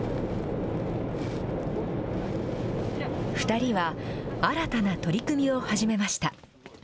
２人は、新たな取り組みを始めました。